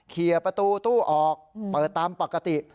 เคลียร์ประตูตู้ออกเปิดตามปกติ